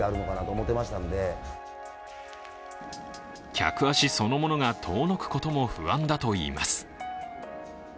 客足そのものが遠のくことも不安だといいます。